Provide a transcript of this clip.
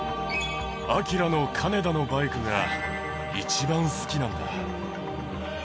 ＡＫＩＲＡの金田のバイクが一番好きなんだ。